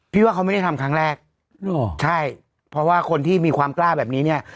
ว่าเขาไม่ได้ทำครั้งแรกใช่เพราะว่าคนที่มีความกล้าแบบนี้เนี่ย